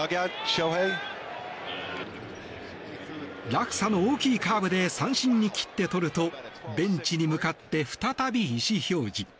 落差の大きいカーブで三振に切って取るとベンチに向かって再び意思表示。